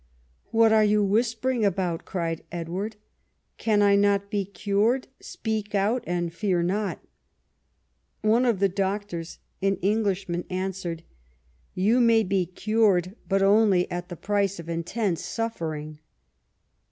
" What are you whispering about?" cried Edward. " Can I not be cured? Speak out and fear not." One of the doctors, an English man, answered, "You may be cured, but only at the price of intense suffering."